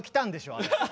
あれ。